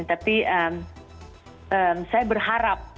tapi saya berharap